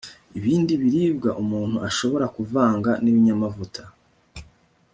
ibindi biribwa umuntu ashobora kuvanga nibinyamavuta